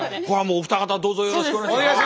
お二方どうぞよろしくお願いします。